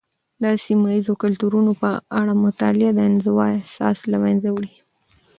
د سيمه یيزو کلتورونو په اړه مطالعه، د انزوا احساس له منځه وړي.